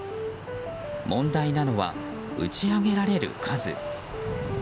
問題なのは打ち上げられる数。